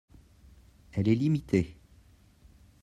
Elle est limitée